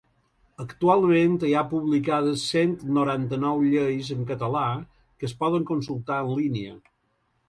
Actualment, hi ha publicades cent noranta-nou lleis en català que es poden consultar en línia.